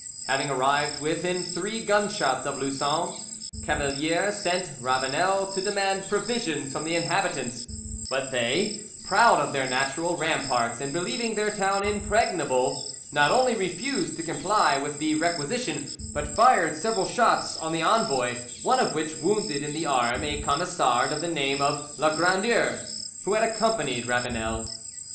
Having arrived within three gun shots of Lussan, Cavalier sent Ravanel to demand provisions from the inhabitants; but they, proud of their natural ramparts, and believing their town impregnable, not only refused to comply with the requisition, but fired several shots on the envoy, one of which wounded in the arm a Camisard of the name of La Grandeur, who had accompanied Ravanel.